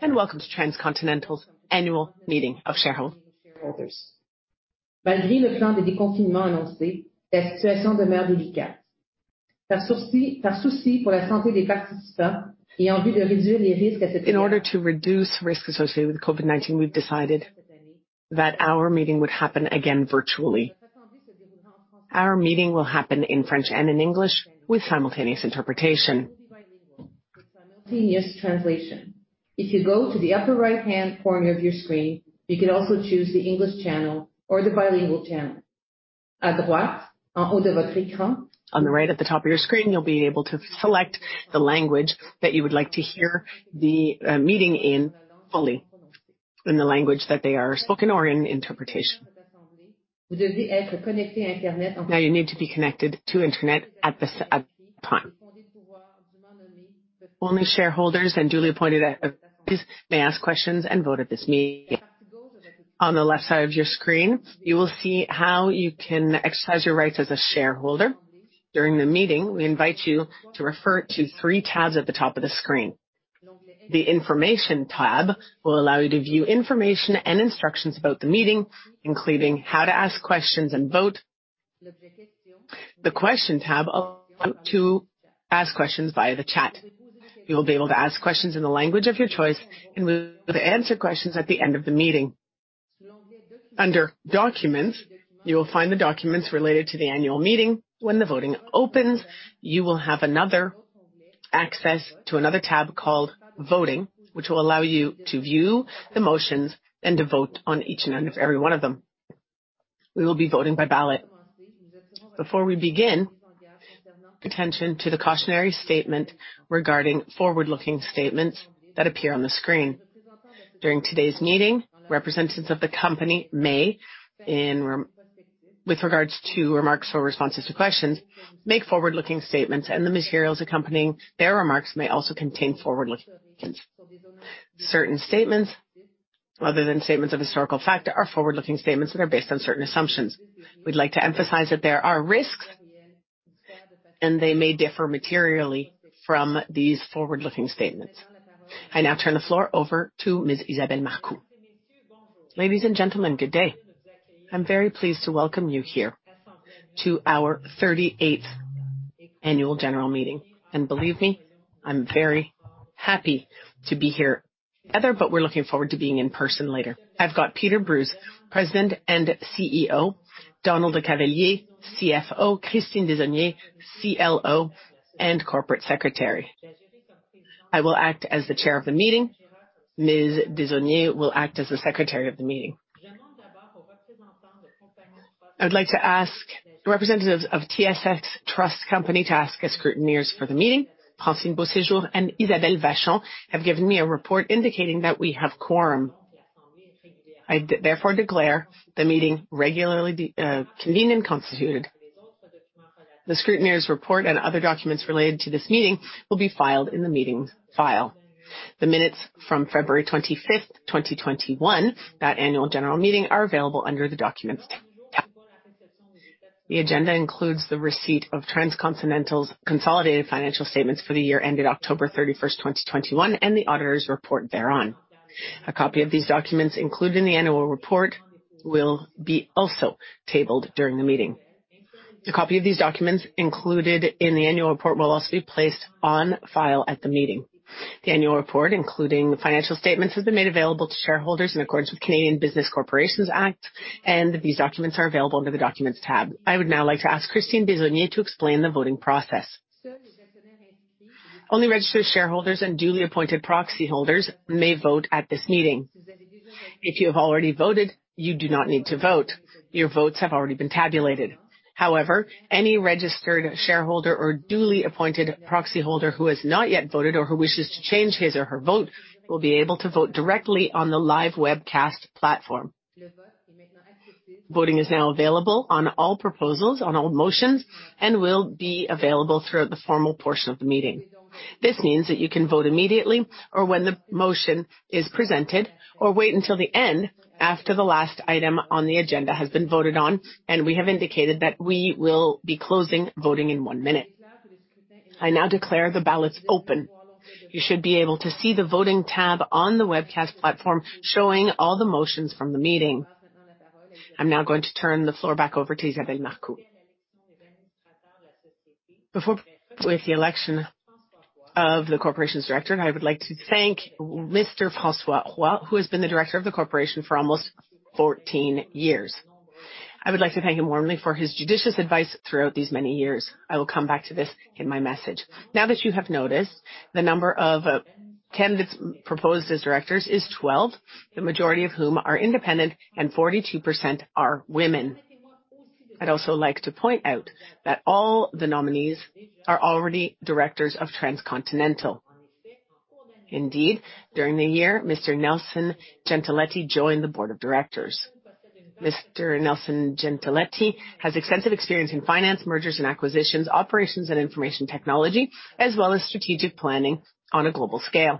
Welcome to Transcontinental's annual meeting of shareholders. In order to reduce risk associated with COVID-19, we've decided that our meeting would happen again virtually. Our meeting will happen in French and in English with simultaneous interpretation. If you go to the upper right-hand corner of your screen, you can also choose the English channel or the bilingual channel. On the right at the top of your screen, you'll be able to select the language that you would like to hear the meeting in fully in the language that they are spoken or in interpretation. Now, you need to be connected to Internet at the time. Only shareholders and duly appointed proxies may ask questions and vote at this meeting. On the left side of your screen, you will see how you can exercise your rights as a shareholder. During the meeting, we invite you to refer to three tabs at the top of the screen. The Information tab will allow you to view information and instructions about the meeting, including how to ask questions and vote. The Question tab allow to ask questions via the chat. You'll be able to ask questions in the language of your choice, and we'll answer questions at the end of the meeting. Under Documents, you'll find the documents related to the annual meeting. When the voting opens, you will have another access to another tab called Voting, which will allow you to view the motions and to vote on each and every one of them. We will be voting by ballot. Before we begin, attention to the cautionary statement regarding forward-looking statements that appear on the screen. During today's meeting, representatives of the company may, in response to remarks or responses to questions, make forward-looking statements and the materials accompanying their remarks may also contain forward-looking statements. Certain statements other than statements of historical fact are forward-looking statements that are based on certain assumptions. We'd like to emphasize that there are risks, and they may differ materially from these forward-looking statements. I now turn the floor over to Ms. Isabelle Marcoux. Ladies and gentlemen, good day. I'm very pleased to welcome you here to our 38th annual general meeting. Believe me, I'm very happy to be here together, but we're looking forward to being in person later. I've got Peter Brues, President and CEO, Donald LeCavalier, CFO, Christine Desaulniers, CLO and Corporate Secretary. I will act as the Chair of the meeting. Ms. Desaulniers will act as the Secretary of the meeting. I'd like to ask representatives of TSX Trust Company to act as scrutineers for the meeting. Francine Beauséjour and Isabelle Vachon have given me a report indicating that we have quorum. I therefore declare the meeting regularly convened and constituted. The scrutineers' report and other documents related to this meeting will be filed in the meeting file. The minutes from February 25, 2021, that annual general meeting are available under the Documents tab. The agenda includes the receipt of Transcontinental's consolidated financial statements for the year ended October 31, 2021, and the auditor's report thereon. A copy of these documents included in the annual report will be also tabled during the meeting. A copy of these documents included in the annual report will also be placed on file at the meeting. The annual report, including financial statements, has been made available to shareholders in accordance with Canada Business Corporations Act, and these documents are available under the Documents tab. I would now like to ask Christine Desaulniers to explain the voting process. Only registered shareholders and duly appointed proxy holders may vote at this meeting. If you have already voted, you do not need to vote. Your votes have already been tabulated. However, any registered shareholder or duly appointed proxy holder who has not yet voted or who wishes to change his or her vote, will be able to vote directly on the live webcast platform. Voting is now available on all proposals, on all motions, and will be available throughout the formal portion of the meeting. This means that you can vote immediately or when the motion is presented or wait until the end after the last item on the agenda has been voted on, and we have indicated that we will be closing voting in one minute. I now declare the ballots open. You should be able to see the Voting tab on the webcast platform, showing all the motions from the meeting. I'm now going to turn the floor back over to Isabelle Marcoux. Before with the election of the corporation's director, I would like to thank Mr. François R. Roy, who has been the director of the corporation for almost 14 years. I would like to thank him warmly for his judicious advice throughout these many years. I will come back to this in my message. Now that you have noticed, the number of candidates proposed as directors is 12, the majority of whom are independent and 42% are women. I'd also like to point out that all the nominees are already directors of Transcontinental. Indeed, during the year, Mr. Nelson Gentiletti joined the board of directors. Mr. Nelson Gentiletti has extensive experience in finance, mergers and acquisitions, operations and information technology, as well as strategic planning on a global scale.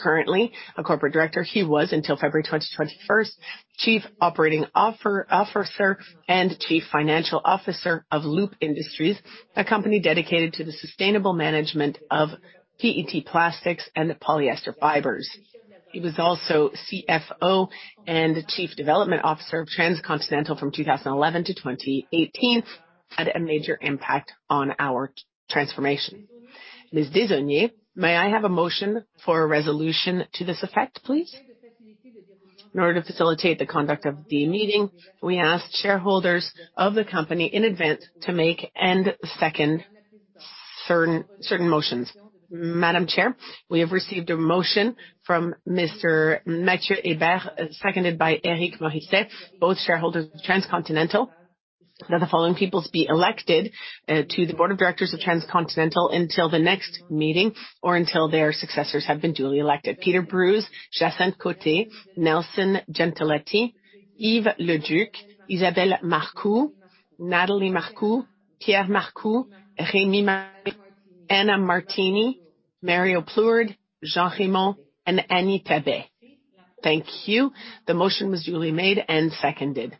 Currently, a corporate director, he was until February 2021, Chief Operating Officer and Chief Financial Officer of Loop Industries, a company dedicated to the sustainable management of PET plastic and polyester fibers. He was also CFO and Chief Development Officer of Transcontinental from 2011 to 2018, had a major impact on our transformation. Ms. Desaulniers, may I have a motion for a resolution to this effect, please? In order to facilitate the conduct of the meeting, we ask shareholders of the company in advance to make and second certain motions. Madam Chair, we have received a motion from Mr. Mathieu Hébert, seconded by Eric Morisset, both shareholders of Transcontinental, that the following people be elected to the board of directors of Transcontinental until the next meeting or until their successors have been duly elected. Peter Brues, Jacynthe Côté, Nelson Gentiletti, Yves Leduc, Isabelle Marcoux, Nathalie Marcoux, Pierre Marcoux, Rémy Marcoux, Anna Martini, Mario Plourde, Jean Raymond, and Annie Thabet. Thank you. The motion was duly made and seconded.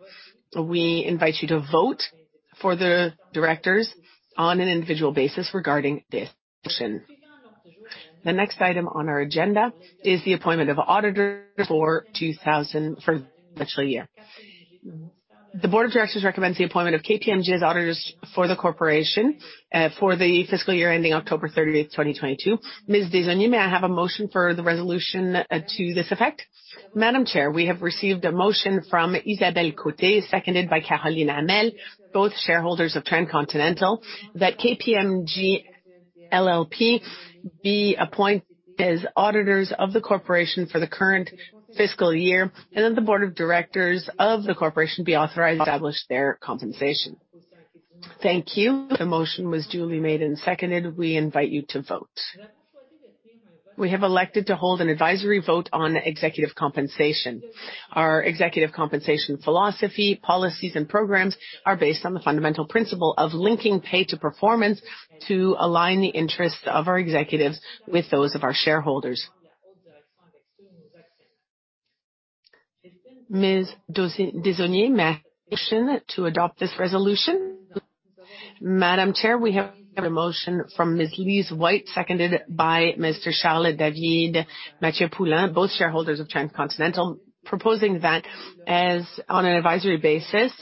We invite you to vote for the directors on an individual basis regarding this motion. The next item on our agenda is the appointment of auditors for the actual year. The board of directors recommends the appointment of KPMG as auditors for the corporation for the fiscal year ending October 30, 2022. Ms. Desaulniers, may I have a motion for the resolution to this effect? Madam Chair, we have received a motion from Isabelle Côté, seconded by Caroline Hamel, both shareholders of Transcontinental, that KPMG LLP be appointed as auditors of the corporation for the current fiscal year, and that the board of directors of the corporation be authorized to establish their compensation. Thank you. The motion was duly made and seconded. We invite you to vote. We have elected to hold an advisory vote on executive compensation. Our executive compensation philosophy, policies, and programs are based on the fundamental principle of linking pay to performance to align the interests of our executives with those of our shareholders. Ms. Desaulniers, may I have a motion to adopt this resolution? Madam Chair, we have a motion from Ms. Lise Watier, seconded by Mr. Charles David Mathieu-Poulin, both shareholders of Transcontinental, proposing that on an advisory basis,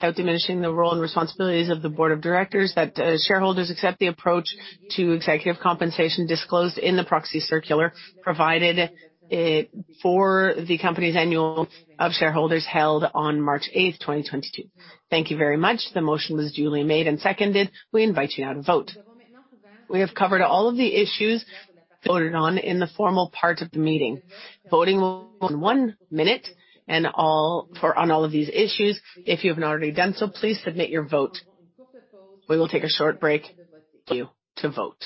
without diminishing the role and responsibilities of the board of directors, that shareholders accept the approach to executive compensation disclosed in the proxy circular, provided for the company's annual meeting of shareholders held on March 8, 2022. Thank you very much. The motion was duly made and seconded. We invite you now to vote. We have covered all of the issues voted on in the formal part of the meeting. Voting will close in one minute for all of these issues. If you haven't already done so, please submit your vote. We will take a short break to vote.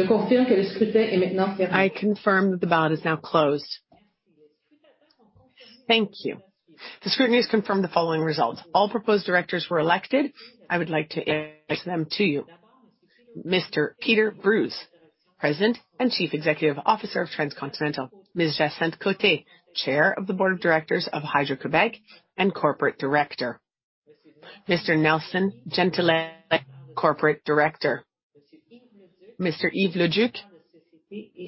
I confirm that the ballot is now closed. Thank you. The scrutineers confirmed the following results. All proposed directors were elected. I would like to introduce them to you. Mr. Peter Brues, President and Chief Executive Officer of Transcontinental. Ms. Jacynthe Côté, Chair of the Board of Directors of Hydro-Québec and Corporate Director. Mr. Nelson Gentiletti, Corporate Director. Mr. Yves Leduc,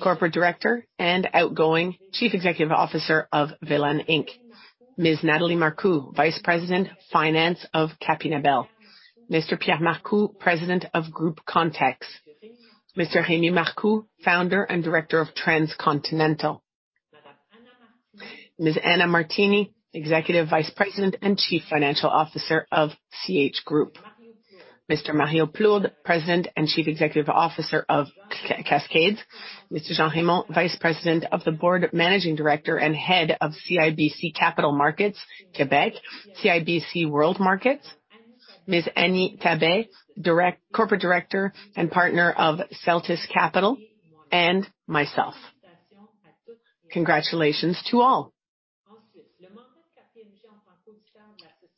Corporate Director and outgoing Chief Executive Officer of Velan Inc. Ms. Nathalie Marcoux, Vice President, Finance of Capinabel. Mr. Pierre Marcoux, President of Groupe Contex. Mr. Rémy Marcoux, Founder and Director of Transcontinental. Ms. Anna Martini, Executive Vice President and Chief Financial Officer of CH Group. Mr. Mario Plourde, President and Chief Executive Officer of Cascades. Mr. Jean Raymond, Vice President of the board, Managing Director and Head of CIBC Capital Markets, Quebec, CIBC World Markets. Ms. Annie Thabet, Corporate Director and Partner of Celtis Venture Partners, and myself. Congratulations to all.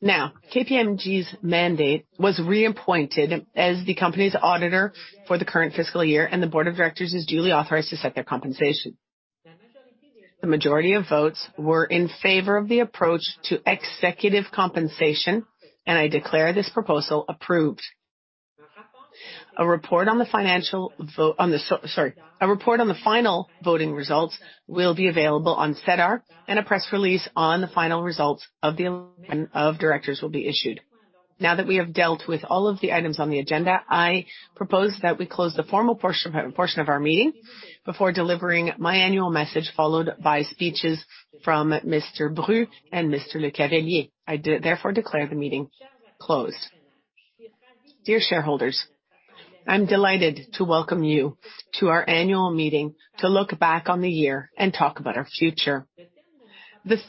Now, KPMG's mandate was reappointed as the company's auditor for the current fiscal year, and the board of directors is duly authorized to set their compensation. The majority of votes were in favor of the approach to executive compensation, and I declare this proposal approved. A report on the final voting results will be available on SEDAR, and a press release on the final results of the election of directors will be issued. Now that we have dealt with all of the items on the agenda, I propose that we close the formal portion of our meeting before delivering my annual message, followed by speeches from Mr. Brues and Mr. LeCavalier. Therefore declare the meeting closed. Dear shareholders, I'm delighted to welcome you to our annual meeting to look back on the year and talk about our future. This,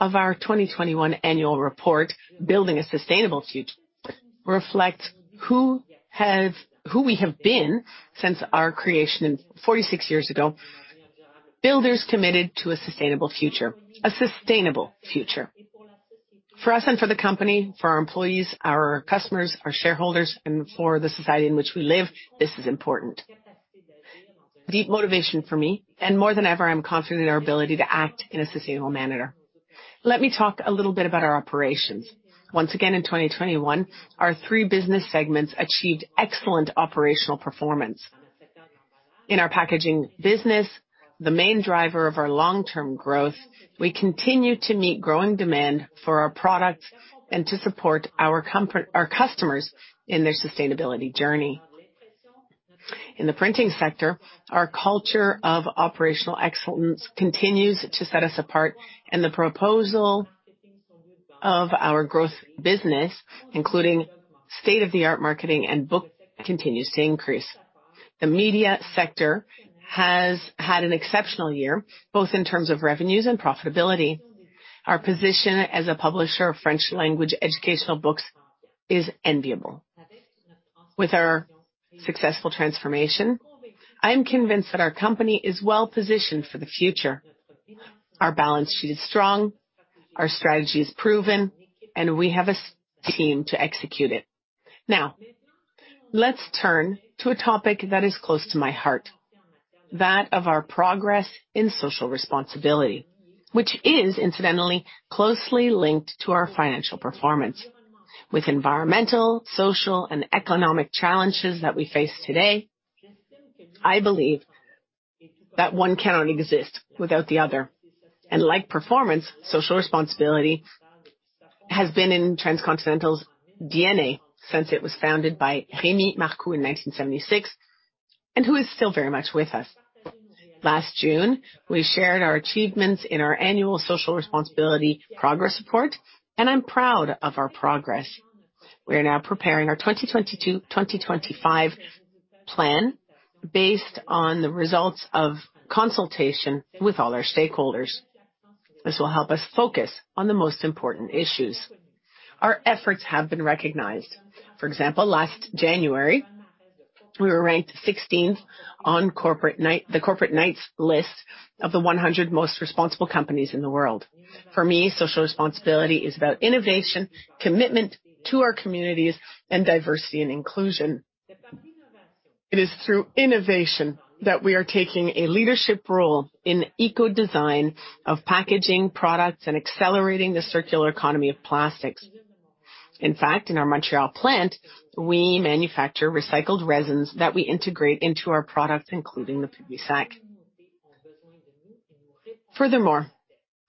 our 2021 annual report, Building a Sustainable Future, reflects who we have been since our creation 46 years ago. Builders committed to a sustainable future. A sustainable future. For us and for the company, for our employees, our customers, our shareholders, and for the society in which we live, this is important. A deep motivation for me, and more than ever, I'm confident in our ability to act in a sustainable manner. Let me talk a little bit about our operations. Once again, in 2021 our three business segments achieved excellent operational performance. In our packaging business, the main driver of our long-term growth, we continue to meet growing demand for our products and to support our customers in their sustainability journey. In the printing sector, our culture of operational excellence continues to set us apart, and the profile of our growth business, including state-of-the-art marketing and books continues to increase. The media sector has had an exceptional year, both in terms of revenues and profitability. Our position as a publisher of French language educational books is enviable. With our successful transformation, I am convinced that our company is well-positioned for the future. Our balance sheet is strong, our strategy is proven, and we have a team to execute it. Now, let's turn to a topic that is close to my heart, that of our progress in social responsibility, which is incidentally closely linked to our financial performance. With environmental, social, and economic challenges that we face today, I believe that one cannot exist without the other. Like performance, social responsibility has been in Transcontinental's DNA since it was founded by Rémi Marcoux in 1976, and who is still very much with us. Last June, we shared our achievements in our annual social responsibility progress report, and I'm proud of our progress. We are now preparing our 2022-2025 plan based on the results of consultation with all our stakeholders. This will help us focus on the most important issues. Our efforts have been recognized. For example, last January, we were ranked 16th on the Corporate Knights list of the 100 most responsible companies in the world. For me, social responsibility is about innovation, commitment to our communities and diversity and inclusion. It is through innovation that we are taking a leadership role in eco-design of packaging products and accelerating the circular economy of plastics. In fact, in our Montreal plant, we manufacture recycled resins that we integrate into our products, including the Publisac. Furthermore,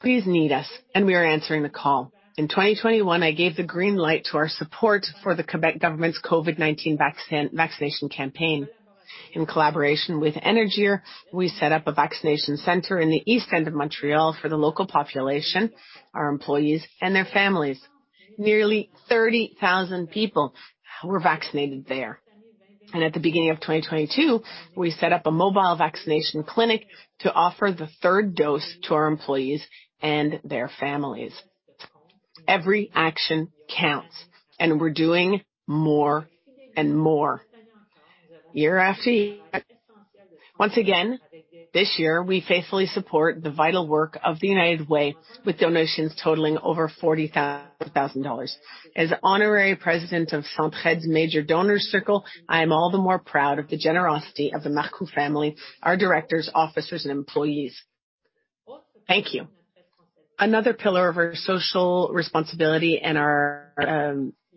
they need us, and we are answering the call. In 2021, I gave the green light to our support for the Québec government's COVID-19 vaccination campaign. In collaboration with Énergir, we set up a vaccination center in the east end of Montreal for the local population, our employees and their families. Nearly 30,000 people were vaccinated there. At the beginning of 2022, we set up a mobile vaccination clinic to offer the third dose to our employees and their families. Every action counts, and we're doing more and more year after year. Once again, this year, we faithfully support the vital work of the United Way with donations totaling over 40,000 dollars. As honorary president of Centraide's Major Donors Circle, I am all the more proud of the generosity of the Marcoux family, our directors, officers, and employees. Thank you. Another pillar of our social responsibility and our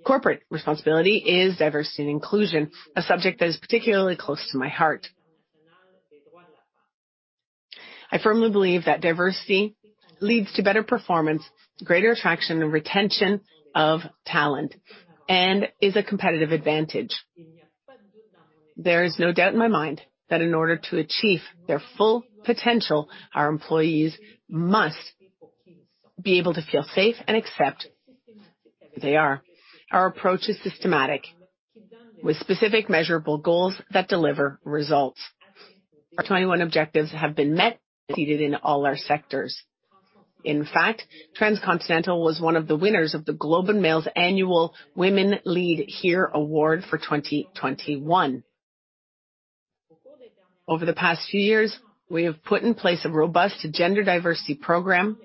corporate responsibility is diversity and inclusion, a subject that is particularly close to my heart. I firmly believe that diversity leads to better performance, greater attraction and retention of talent, and is a competitive advantage. There is no doubt in my mind that in order to achieve their full potential, our employees must be able to feel safe and accept who they are. Our approach is systematic, with specific measurable goals that deliver results. Our 21 objectives have been met, exceeded in all our sectors. In fact, Transcontinental was one of the winners of The Globe and Mail's annual Women Lead Here Award for 2021. Over the past few years, we have put in place a robust gender diversity program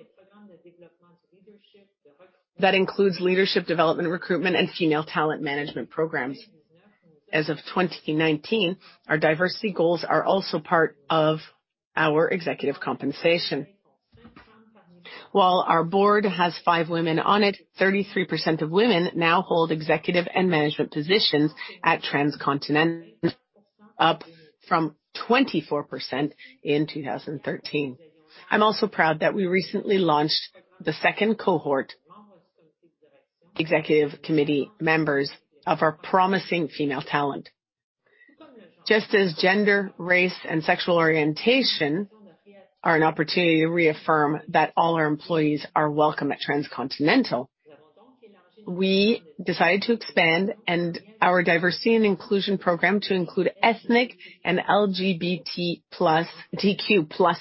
that includes leadership development, recruitment, and female talent management programs. As of 2019, our diversity goals are also part of our executive compensation. While our board has five women on it, 33% of women now hold executive and management positions at Transcontinental, up from 24% in 2013. I'm also proud that we recently launched the second cohort executive committee members of our promising female talent. Just as gender, race, and sexual orientation are an opportunity to reaffirm that all our employees are welcome at Transcontinental. We decided to expand our diversity and inclusion program to include ethnic and LGBTQ+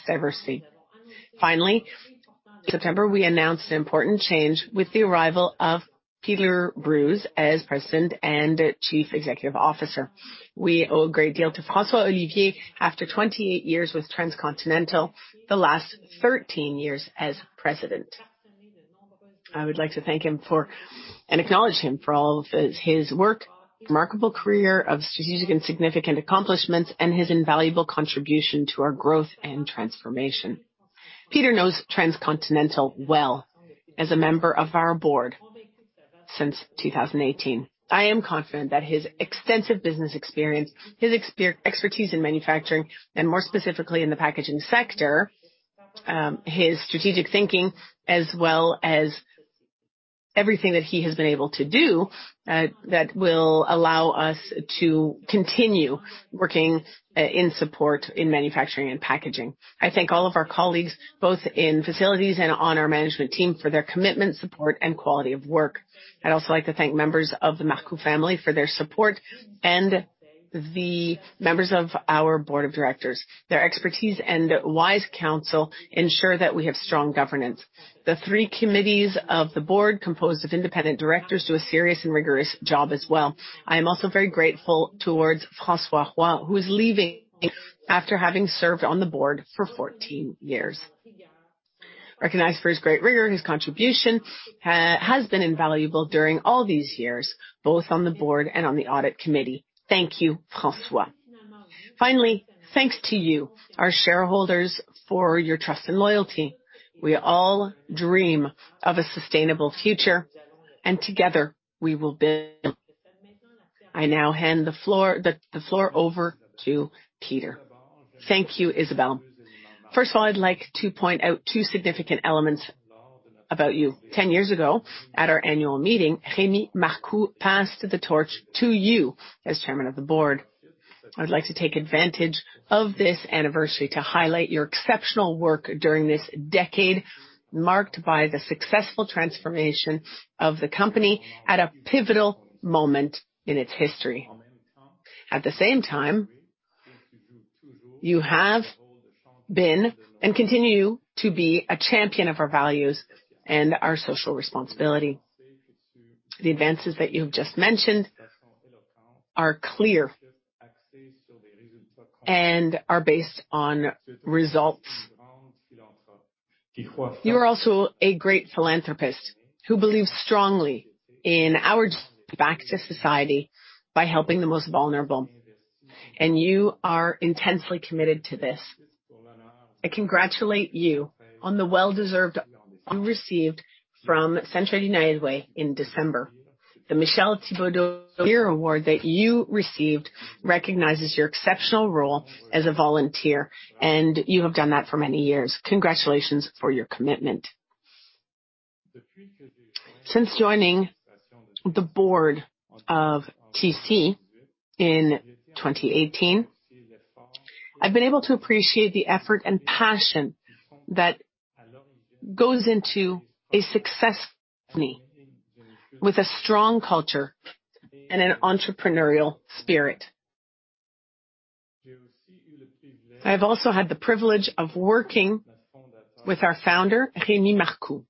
diversity. Finally, in September, we announced an important change with the arrival of Peter Brues as President and Chief Executive Officer. We owe a great deal to François Olivier after 28 years with Transcontinental, the last 13 years as president. I would like to thank him for and acknowledge him for all of his work, remarkable career of strategic and significant accomplishments, and his invaluable contribution to our growth and transformation. Peter knows Transcontinental well as a member of our board since 2018. I am confident that his extensive business experience, his expertise in manufacturing, and more specifically in the packaging sector, his strategic thinking as well as everything that he has been able to do, that will allow us to continue working in support of manufacturing and packaging. I thank all of our colleagues, both in facilities and on our management team for their commitment, support, and quality of work. I'd also like to thank members of the Marcoux family for their support and the members of our board of directors. Their expertise and wise counsel ensure that we have strong governance. The three committees of the board, composed of independent directors, do a serious and rigorous job as well. I am also very grateful towards François Roy, who is leaving after having served on the board for 14 years. Recognized for his great rigor, his contribution has been invaluable during all these years, both on the board and on the audit committee. Thank you, François. Finally, thanks to you, our shareholders, for your trust and loyalty. We all dream of a sustainable future, and together we will build. I now hand the floor over to Peter. Thank you, Isabelle. First of all, I'd like to point out two significant elements about you. Ten years ago, at our annual meeting, Rémi Marcoux passed the torch to you as chairman of the board. I'd like to take advantage of this anniversary to highlight your exceptional work during this decade marked by the successful transformation of the company at a pivotal moment in its history. At the same time, you have been and continue to be a champion of our values and our social responsibility. The advances that you have just mentioned are clear and are based on results. You are also a great philanthropist who believes strongly in giving back to society by helping the most vulnerable, and you are intensely committed to this. I congratulate you on the well-deserved award you received from Centraide United Way in December. The Michèle Thibodeau-DeGuire Award that you received recognizes your exceptional role as a volunteer, and you have done that for many years. Congratulations for your commitment. Since joining the board of TC in 2018, I've been able to appreciate the effort and passion that goes into a successful company with a strong culture and an entrepreneurial spirit. I've also had the privilege of working with our founder, Rémi Marcoux.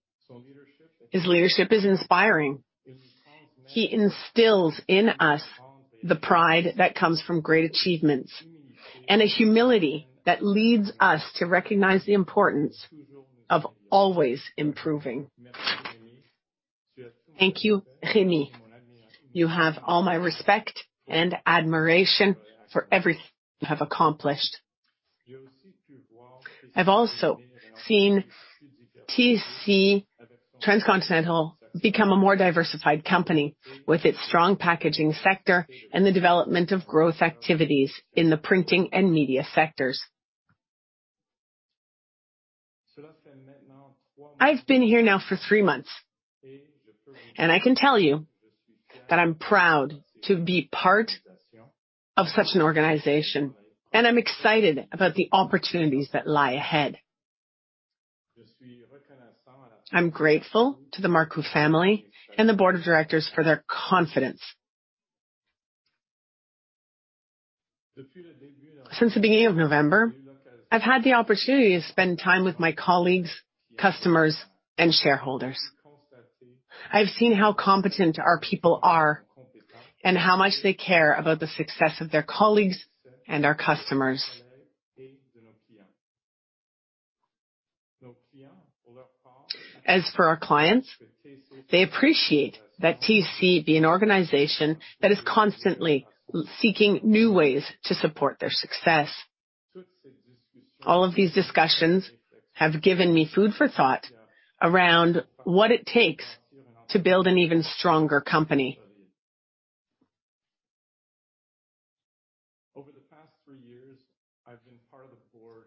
His leadership is inspiring. He instills in us the pride that comes from great achievements and a humility that leads us to recognize the importance of always improving. Thank you, Rémi. You have all my respect and admiration for everything you have accomplished. I've also seen TC Transcontinental become a more diversified company with its strong packaging sector and the development of growth activities in the printing and media sectors. I've been here now for three months, and I can tell you that I'm proud to be part of such an organization, and I'm excited about the opportunities that lie ahead. I'm grateful to the Marcoux family and the board of directors for their confidence. Since the beginning of November, I've had the opportunity to spend time with my colleagues, customers, and shareholders. I've seen how competent our people are and how much they care about the success of their colleagues and our customers. As for our clients, they appreciate that TC be an organization that is constantly seeking new ways to support their success. All of these discussions have given me food for thought around what it takes to build an even stronger company. Over the past 3 years, I've been part of the board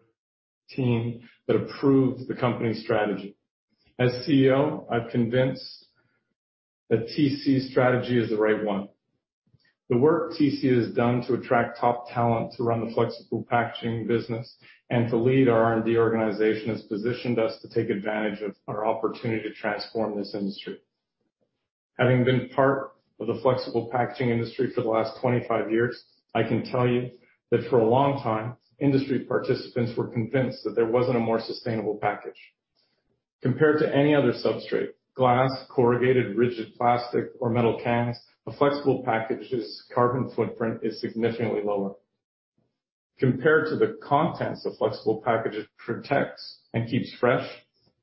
team that approved the company's strategy. As CEO, I'm convinced that TC's strategy is the right one. The work TC has done to attract top talent to run the flexible packaging business and to lead our R&D organization has positioned us to take advantage of our opportunity to transform this industry. Having been part of the flexible packaging industry for the last 25 years, I can tell you that for a long time, industry participants were convinced that there wasn't a more sustainable package. Compared to any other substrate, glass, corrugated, rigid plastic or metal cans, a flexible package's carbon footprint is significantly lower. Compared to the contents the flexible package protects and keeps fresh,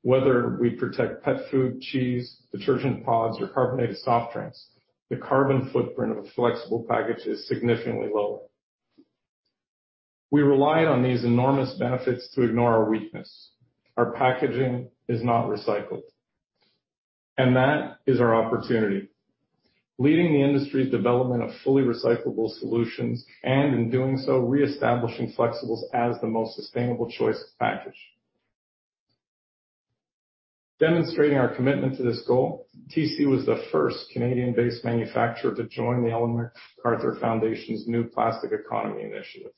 whether we protect pet food, cheese, detergent pods, or carbonated soft drinks, the carbon footprint of a flexible package is significantly lower. We relied on these enormous benefits to ignore our weakness. Our packaging is not recycled, and that is our opportunity, leading the industry's development of fully recyclable solutions, and in doing so reestablishing flexibles as the most sustainable choice of package. Demonstrating our commitment to this goal, TC was the first Canadian-based manufacturer to join the Ellen MacArthur Foundation's New Plastics Economy initiative,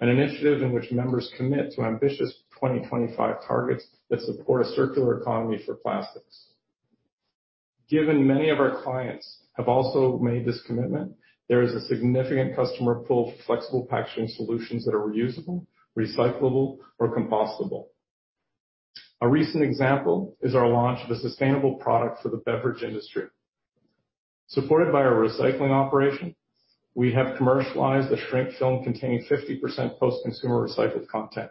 an initiative in which members commit to ambitious 2025 targets that support a circular economy for plastics. Given many of our clients have also made this commitment, there is a significant customer pull for flexible packaging solutions that are reusable, recyclable or compostable. A recent example is our launch of a sustainable product for the beverage industry. Supported by our recycling operation, we have commercialized a shrink film containing 50% post-consumer recycled content.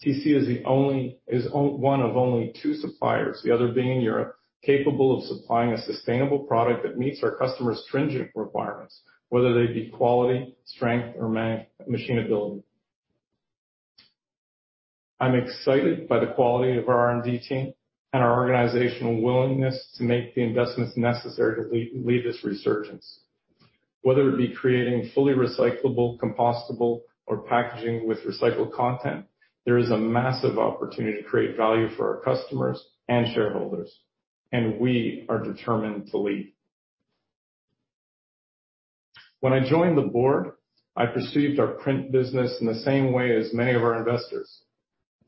TC is one of only two suppliers, the other being in Europe, capable of supplying a sustainable product that meets our customers' stringent requirements, whether they be quality, strength, or machinability. I'm excited by the quality of our R&D team and our organizational willingness to make the investments necessary to lead this resurgence. Whether it be creating fully recyclable, compostable or packaging with recycled content, there is a massive opportunity to create value for our customers and shareholders, and we are determined to lead. When I joined the board, I perceived our print business in the same way as many of our investors.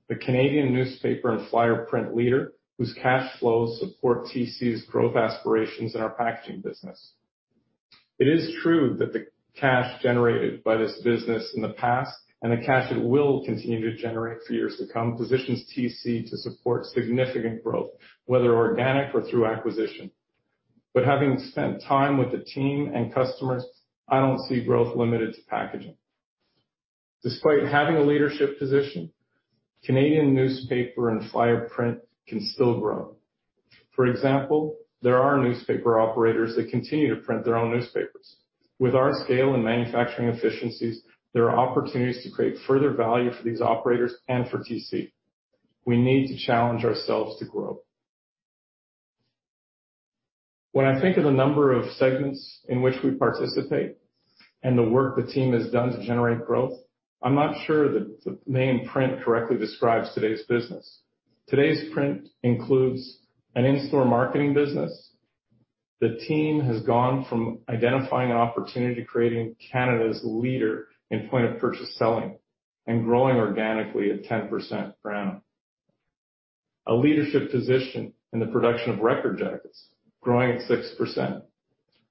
The Canadian newspaper and flyer print leader, whose cash flows support TC's growth aspirations in our packaging business. It is true that the cash generated by this business in the past and the cash it will continue to generate for years to come positions TC to support significant growth, whether organic or through acquisition. Having spent time with the team and customers, I don't see growth limited to packaging. Despite having a leadership position, Canadian newspaper and flyer print can still grow. For example, there are newspaper operators that continue to print their own newspapers. With our scale and manufacturing efficiencies, there are opportunities to create further value for these operators and for TC. We need to challenge ourselves to grow. When I think of the number of segments in which we participate and the work the team has done to generate growth, I'm not sure that the name print correctly describes today's business. Today's print includes an in-store marketing business. The team has gone from identifying an opportunity to creating Canada's leader in point of purchase selling and growing organically at 10% per annum. A leadership position in the production of record jackets growing at 6%.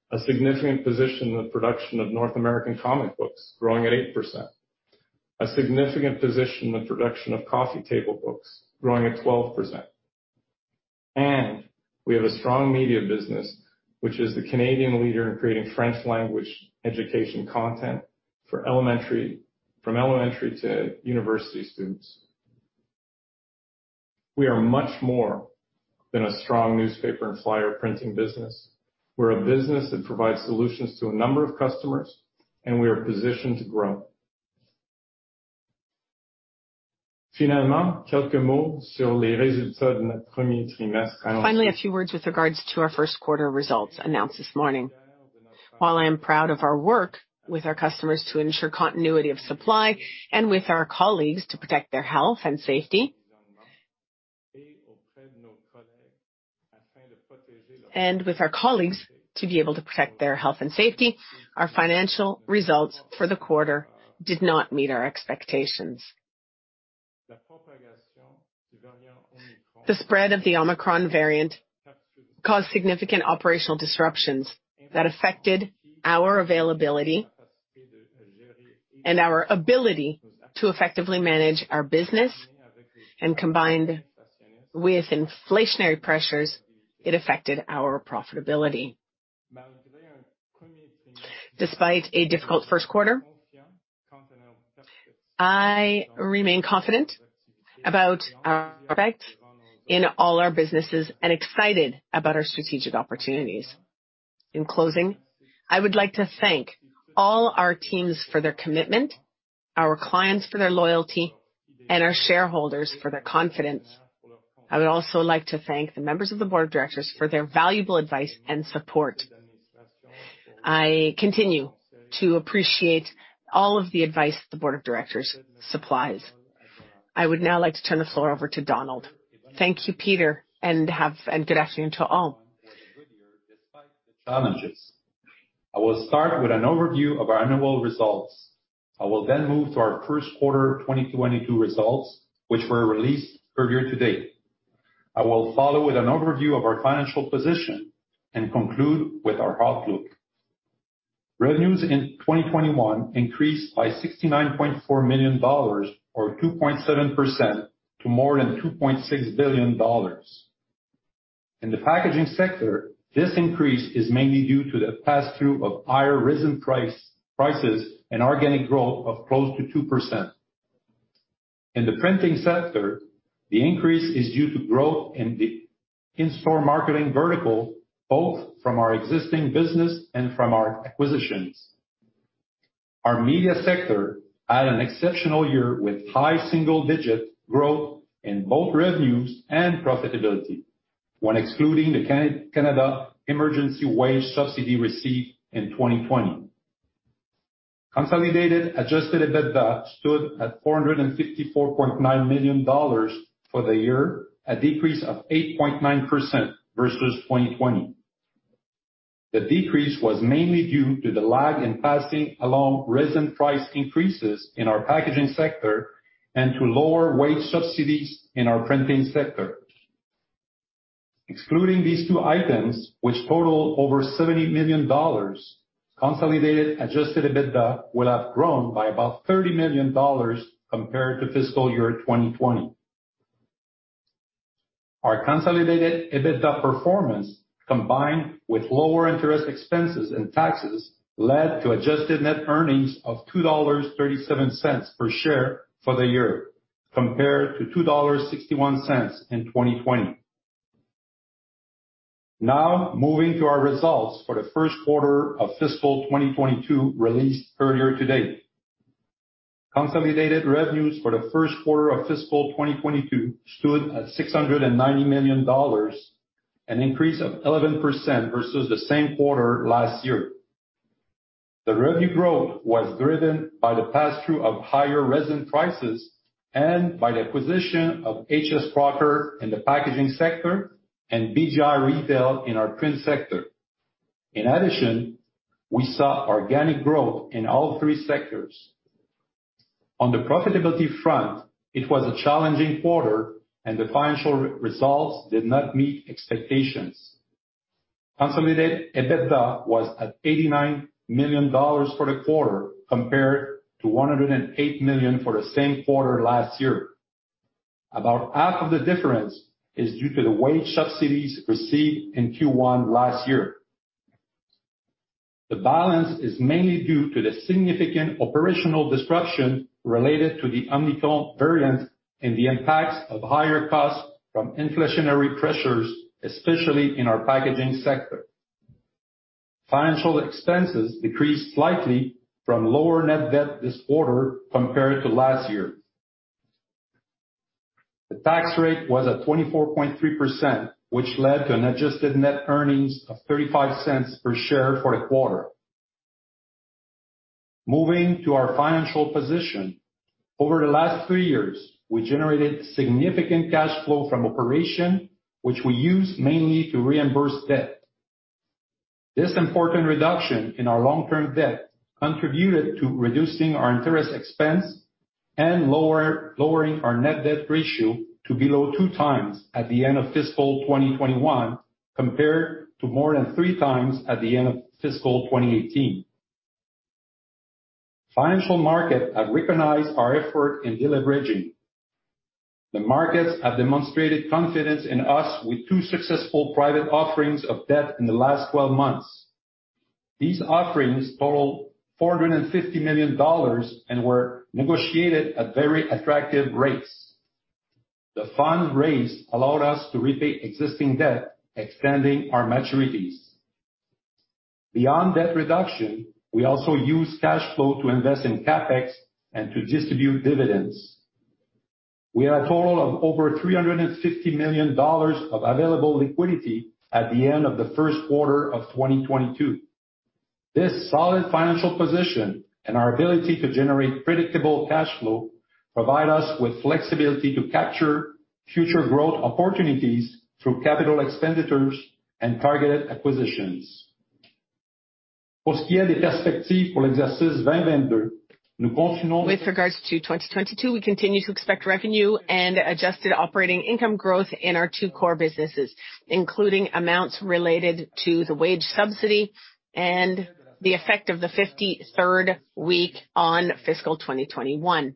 A significant position in the production of North American comic books, growing at 8%. A significant position in the production of coffee table books, growing at 12%. We have a strong media business, which is the Canadian leader in creating French language education content from elementary to university students. We are much more than a strong newspaper and flyer printing business. We're a business that provides solutions to a number of customers, and we are positioned to grow. Finally, a few words with regards to our first quarter results announced this morning. While I am proud of our work with our customers to ensure continuity of supply and with our colleagues to protect their health and safety, our financial results for the quarter did not meet our expectations. The spread of the Omicron variant caused significant operational disruptions that affected our availability and our ability to effectively manage our business, and combined with inflationary pressures, it affected our profitability. Despite a difficult first quarter, I remain confident about our progress in all our businesses and excited about our strategic opportunities. In closing, I would like to thank all our teams for their commitment, our clients for their loyalty, and our shareholders for their confidence. I would also like to thank the members of the board of directors for their valuable advice and support. I continue to appreciate all of the advice the board of directors supplies. I would now like to turn the floor over to Donald. Thank you, Peter, and good afternoon to all. For the full year, despite the challenges. I will start with an overview of our annual results. I will then move to our first quarter 2022 results, which were released earlier today. I will follow with an overview of our financial position and conclude with our outlook. Revenues in 2021 increased by 69.4 million dollars or 2.7% to more than 2.6 billion dollars. In the Packaging sector, this increase is mainly due to the pass-through of higher resin prices and organic growth of close to 2%. In the Printing sector, the increase is due to growth in the in-store marketing vertical, both from our existing business and from our acquisitions. Our Media sector had an exceptional year with high single-digit growth in both revenues and profitability when excluding the Canada Emergency Wage Subsidy received in 2020. Consolidated adjusted EBITDA stood at 454.9 million dollars for the year, a decrease of 8.9% versus 2020. The decrease was mainly due to the lag in passing along resin price increases in our packaging sector and to lower wage subsidies in our printing sector. Excluding these two items, which total over 70 million dollars, consolidated adjusted EBITDA will have grown by about 30 million dollars compared to fiscal year 2020. Our consolidated EBITDA performance, combined with lower interest expenses and taxes, led to adjusted net earnings of 2.37 dollars per share for the year, compared to 2.61 dollars in 2020. Now moving to our results for the first quarter of fiscal 2022, released earlier today. Consolidated revenues for the first quarter of fiscal 2022 stood at 690 million dollars, an increase of 11% versus the same quarter last year. The revenue growth was driven by the pass-through of higher resin prices and by the acquisition of H.S. Crocker in the packaging sector and BGI Retail in our print sector. In addition, we saw organic growth in all three sectors. On the profitability front, it was a challenging quarter and the financial results did not meet expectations. Consolidated EBITDA was at 89 million dollars for the quarter, compared to 108 million for the same quarter last year. About half of the difference is due to the wage subsidies received in Q1 last year. The balance is mainly due to the significant operational disruption related to the Omicron variant and the impacts of higher costs from inflationary pressures, especially in our packaging sector. Financial expenses decreased slightly from lower net debt this quarter compared to last year. The tax rate was at 24.3%, which led to an adjusted net earnings of 0.35 per share for the quarter. Moving to our financial position. Over the last three years, we generated significant cash flow from operations, which we used mainly to reimburse debt. This important reduction in our long-term debt contributed to reducing our interest expense and lowering our net debt ratio to below 2x at the end of fiscal 2021, compared to more than 3x at the end of fiscal 2018. Financial markets have recognized our effort in deleveraging. The markets have demonstrated confidence in us with two successful private offerings of debt in the last 12 months. These offerings total 450 million dollars and were negotiated at very attractive rates. The funds raised allowed us to repay existing debt, extending our maturities. Beyond debt reduction, we also use cash flow to invest in CapEx and to distribute dividends. We have a total of over 350 million dollars of available liquidity at the end of the first quarter of 2022. This solid financial position and our ability to generate predictable cash flow provide us with flexibility to capture future growth opportunities through capital expenditures and targeted acquisitions. With regards to 2022, we continue to expect revenue and adjusted operating income growth in our two core businesses, including amounts related to the wage subsidy and the effect of the 53rd week on fiscal 2021.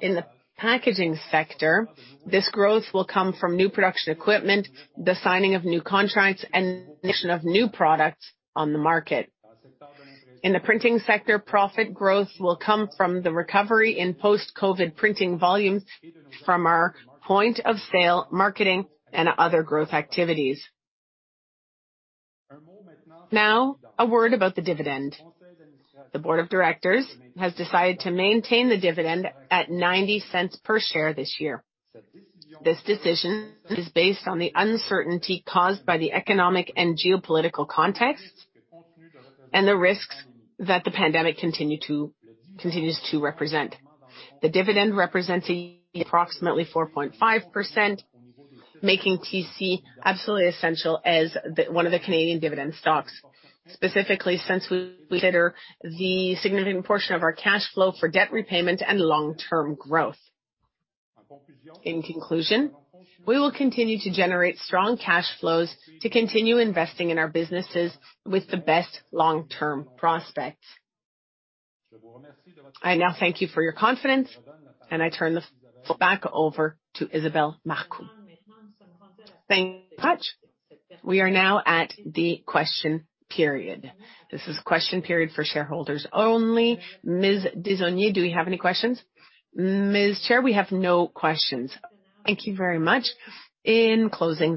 In the packaging sector, this growth will come from new production equipment, the signing of new contracts, and the addition of new products on the market. In the printing sector, profit growth will come from the recovery in post-COVID printing volumes from our point of sale marketing and other growth activities. Now, a word about the dividend. The board of directors has decided to maintain the dividend at 0.90 per share this year. This decision is based on the uncertainty caused by the economic and geopolitical context and the risks that the pandemic continues to represent. The dividend represents approximately 4.5%, making TC absolutely essential as the one of the Canadian dividend stocks. Specifically, since we consider the significant portion of our cash flow for debt repayment and long-term growth. In conclusion, we will continue to generate strong cash flows to continue investing in our businesses with the best long-term prospects. I now thank you for your confidence, and I turn this back over to Isabelle Marcoux. Thank you very much. We are now at the question period. This is question period for shareholders only. Ms. Desaulniers, do we have any questions? Ms. Chair, we have no questions. Thank you very much. In closing,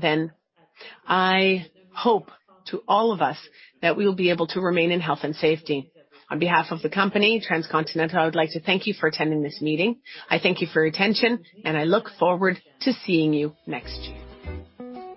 I hope to all of us that we will be able to remain in health and safety. On behalf of the company, Transcontinental, I would like to thank you for attending this meeting. I thank you for your attention, and I look forward to seeing you next year.